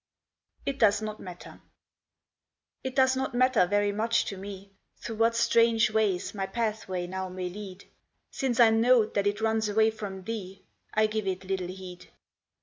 IT DOES NOT MATTER It does not matter very much to me Through what strange ways my pathway now may lead; Since I know that it runs away from thee, I give it little heed.